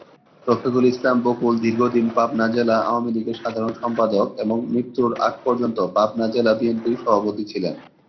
রফিকুল ইসলাম বকুল দীর্ঘদিন পাবনা জেলা আওয়ামী লীগের সাধারণ সম্পাদক এবং মৃত্যুর আগ পর্যন্ত পাবনা জেলা বিএনপির সভাপতি ছিলেন।